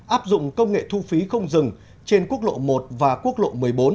áp dụng công nghệ thu phí không dừng trên quốc lộ một và quốc lộ một mươi bốn